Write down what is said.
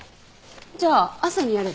じゃあ朝にやれば？